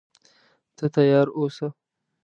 ته تیار اوسه.